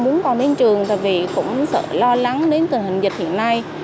muốn con đến trường tại vì cũng sợ lo lắng đến tình hình dịch hiện nay